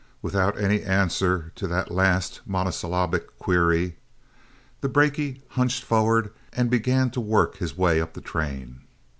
Without any answer to that last monosyllabic query, the brakie hunched forward, and began to work his way up the train.